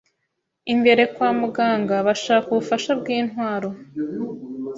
imbere kwa muganga bashaka ubufasha bwintwaro.